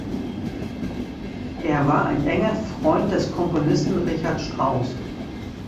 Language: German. Er war ein enger Freund des Komponisten Richard Strauss.